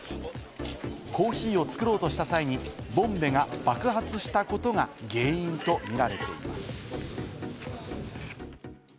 コーヒーを作ろうとした際に、ボンベが爆発したことが原因とみられています。